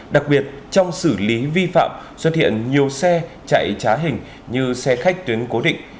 đặc biệt trong xử lý vi phạm xuất hiện nhiều xe chạy trá hình như xe khách tuyến cố định